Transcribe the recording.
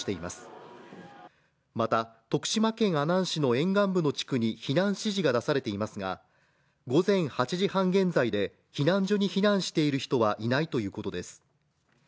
また徳島県阿南市の沿岸部の地区に避難指示が出されていますが、午前８時半現在で避難所に避難している人はいないということです。